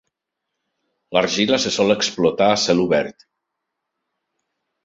L'argila se sol explotar a cel obert.